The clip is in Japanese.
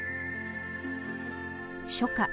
初夏。